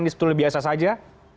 ini setulah biasa saja